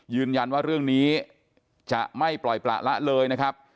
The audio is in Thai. ยืนยันว่าเรื่องนี้จะไม่ปล่อยประละเลยนะครับ